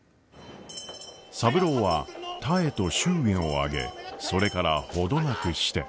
三郎は多江と祝言を挙げそれからほどなくして。